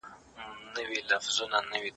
ایا نوي کروندګر تور ممیز صادروي؟